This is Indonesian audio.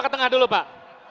ke tengah dulu pak